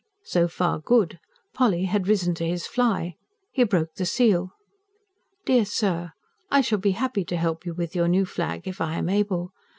So far good: Polly had risen to his fly! He broke the seal. DEAR SIR, I shall be happy to help you with your new flag if I am able.